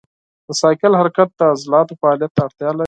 د بایسکل حرکت د عضلاتو فعالیت ته اړتیا لري.